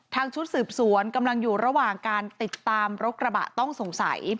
ชุดสืบสวนกำลังอยู่ระหว่างการติดตามรถกระบะต้องสงสัย